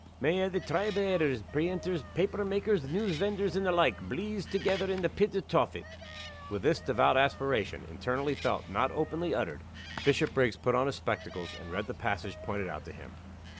"May a' the tribe o' editors, preenters, paper makers, news vendors, and the like, bleeze together in the pit o' Tophet!" With this devout aspiration internally felt, not openly uttered Bishopriggs put on his spectacles, and read the passage pointed out to him.